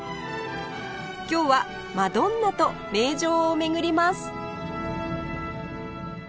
今日はマドンナと名城を巡ります